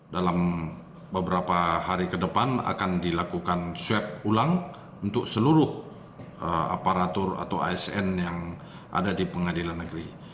dalam beberapa hari ke depan akan dilakukan swab ulang untuk seluruh aparatur atau asn yang ada di pengadilan negeri